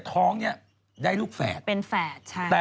ต้องได้ลูกแฝด